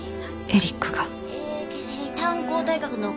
エリック